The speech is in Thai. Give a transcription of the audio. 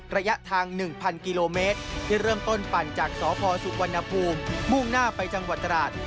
ระยะทาง๑๐๐กิโลเมตรที่เริ่มต้นปั่นจากสพสุวรรณภูมิมุ่งหน้าไปจังหวัดตราด